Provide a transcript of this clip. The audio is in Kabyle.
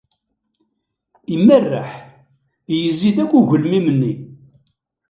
Imerreḥ, yezzi-d akk i ugelmim-nni.